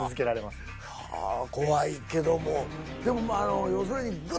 怖いけども。